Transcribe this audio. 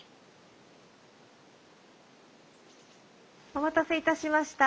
お待たせいたしました。